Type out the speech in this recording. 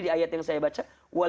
di ayat yang saya baca